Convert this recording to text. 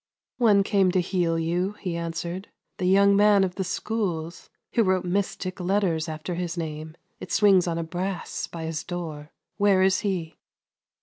" One came to heal you," he answered —" the young man of the schools, who wrote mystic letters after his name ; it swings on a brass by his door — where is he?